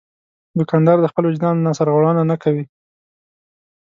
دوکاندار د خپل وجدان نه سرغړونه نه کوي.